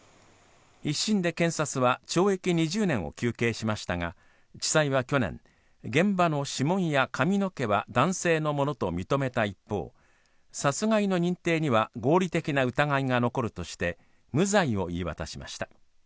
一審で検察は懲役２０年を求刑しましたが地裁は去年、現場の指紋や髪の毛は男性のものと認めた一方殺害の認定には合理的な疑いが残るとして無罪を言い渡しました。